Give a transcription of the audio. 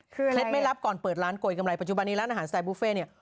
เคล็ดไม่ลับก่อนเปิดร้านโกยกำไรปัจจุบันนี้ร้านอาหารสไตลบุฟเฟ่เนี่ย